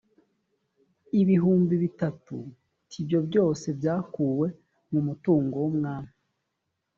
ibihumbi bitatu t ibyo byose byakuwe mu mutungo w umwami